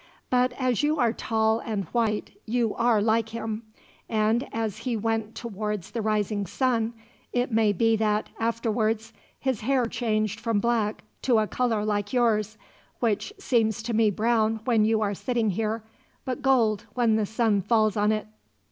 But as you are tall and white, you are like him; and as he went towards the rising sun, it may be that, afterwards, his hair changed from black to a color like yours, which seems to me brown when you are sitting here, but gold when the sun falls on it."